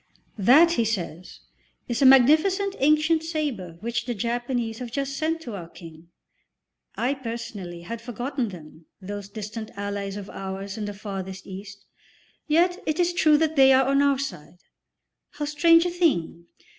"That," he says, "is a magnificent ancient sabre which the Japanese have just sent to our King." I, personally, had forgotten them, those distant allies of ours in the Farthest East. Yet it is true that they are on our side; how strange a thing!